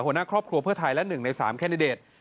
หัวหน้าครอบครัวเพื่อไทยและ๑ใน๓แคนดิเดต